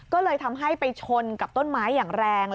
ก็เลยทำให้ไปชนกับต้นไม้อย่างแรง